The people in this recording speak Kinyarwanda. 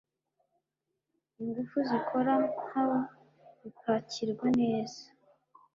ingufu zikora nka wo bipakirwa neza